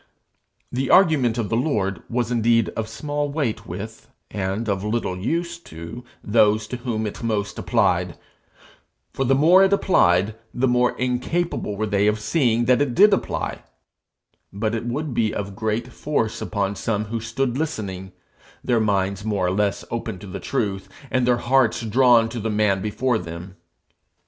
The argument of the Lord was indeed of small weight with, and of little use to, those to whom it most applied, for the more it applied, the more incapable were they of seeing that it did apply; but it would be of great force upon some that stood listening, their minds more or less open to the truth, and their hearts drawn to the man before them.